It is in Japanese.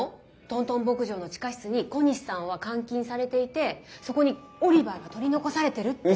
トントン牧場の地下室に小西さんは監禁されていてそこにオリバーが取り残されてるって。